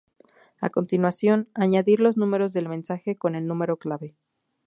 A continuación, añadir los números del mensaje con el número clave.